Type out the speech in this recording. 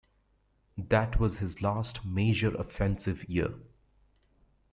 That was his last major offensive year.